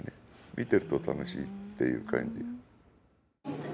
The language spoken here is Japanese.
見てると楽しいっていう感じ。